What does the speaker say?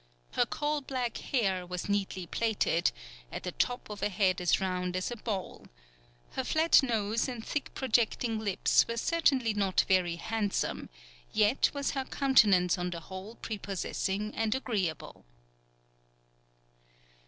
Her coal black hair was neatly plaited, at the top of a head as round as a ball; her flat nose and thick projecting lips were certainly not very handsome, yet was her countenance on the whole prepossessing and agreeable."